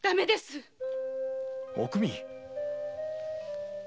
おくみ。